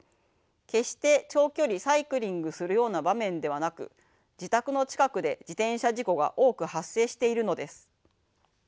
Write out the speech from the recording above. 決して長距離サイクリングするような場面ではなく自宅の近くで自転車事故が多く発生しているのです。